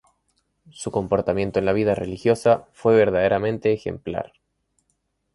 Su comportamiento en la vida religiosa fue verdaderamente ejemplar.